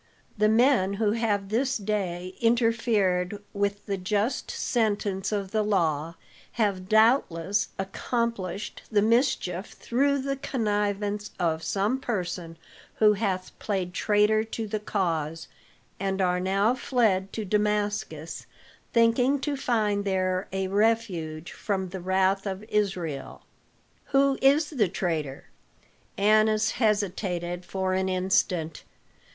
The men who have this day interfered with the just sentence of the law, have doubtless accomplished the mischief through the connivance of some person who hath played traitor to the cause, and are now fled to Damascus, thinking to find there a refuge from the wrath of Israel." "Who is the traitor?" Annas hesitated for an instant.